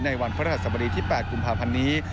วันพระราชสมดีที่๘กุมภาพันธ์นี้